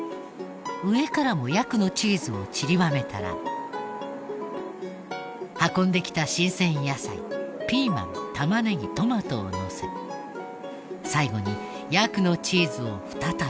上からもヤクのチーズをちりばめたら運んできた新鮮野菜ピーマン玉ねぎトマトをのせ最後にヤクのチーズを再び。